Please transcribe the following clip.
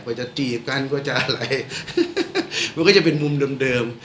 มันจะจีบกันมันก็จะเป็นมุมเดิม